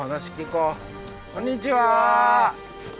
こんにちは。